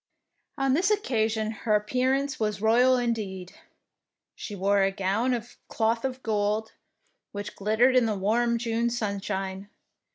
On this occasion her appearance was royal indeed. She wore a gown of cloth of gold, which glittered in the warm June sunshine.